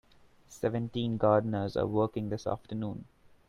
Seventeen gardeners are working this afternoon.